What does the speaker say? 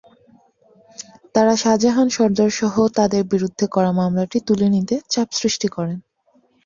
তাঁরা শাহজাহান সর্দারসহ তাঁদের বিরুদ্ধে করা মামলাটি তুলে নিতে চাপ সৃষ্টি করেন।